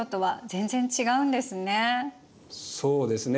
そうですね。